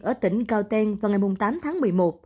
ở tỉnh cao tên vào ngày tám tháng một mươi một